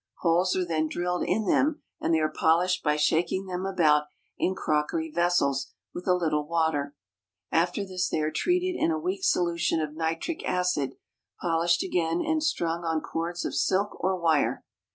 Holes are then drilled in them and they are polished by shaking them about in crockery vessels with a little water. After this they are treated in a weak solution of nitric acid, polished again, and strung on cords of silk or wire.